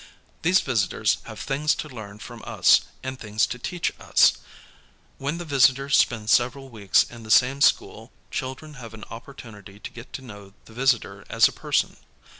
These visitors have things to learn from us and things to teach us. \^lien the visitor spends several weeks in the same school, children have an opportunity to get to know the visitor as a person.